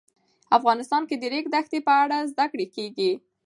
افغانستان کې د د ریګ دښتې په اړه زده کړه کېږي.